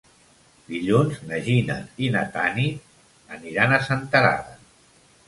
Dilluns na Gina i na Tanit aniran a Senterada.